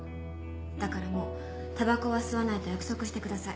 だからもうタバコは吸わないと約束してください。